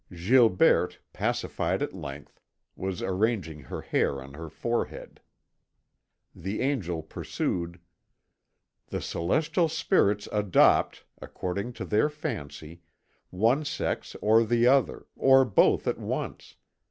Gilberte, pacified at length, was arranging her hair on her forehead. The Angel pursued: "The celestial spirits adopt, according to their fancy, one sex or the other, or both at once.